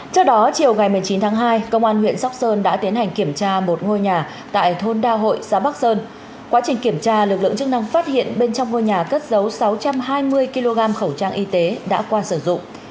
trước đó chiều ngày một mươi chín tháng hai công an huyện sóc sơn đã tiến hành kiểm tra một ngôi nhà tại thôn đa hội xã bắc sơn quá trình kiểm tra lực lượng chức năng phát hiện bên trong ngôi nhà cất giấu sáu trăm hai mươi kg khẩu trang y tế đã qua sử dụng